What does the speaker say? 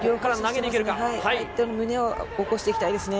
胸を起こしていきたいですね。